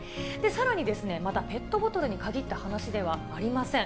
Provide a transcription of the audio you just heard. さらにまた、ペットボトルに限った話ではありません。